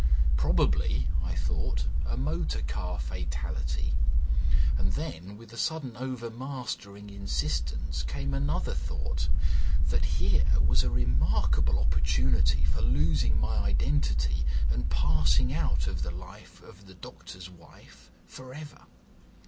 Probably, I thought, a motor car fatality; and then, with a sudden overmastering insistence, came another thought, that here was a remarkable opportunity for losing my identity and passing out of the life of the doctor's wife for ever.